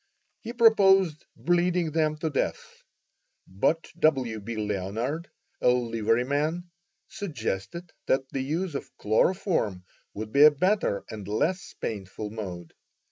He proposed bleeding them to death, but W. B. Leonard, a liveryman, suggested that the use of chloroform would be a better and less painful mode.